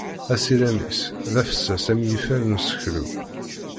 Asirem-is d afessas am yifer n useklu.